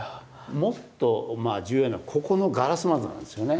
もっと重要なのはここのガラス窓なんですよね。